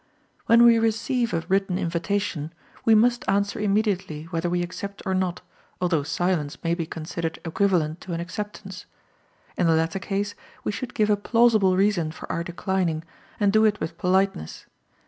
When we receive a written invitation, we must answer immediately whether we accept or not, although silence may be considered equivalent to an acceptance. In the latter case, we should give a plausible reason of our declining, and do it with politeness.